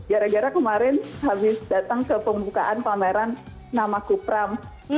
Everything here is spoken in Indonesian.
gara gara kemarin habis datang ke pembukaan pameran nama kupram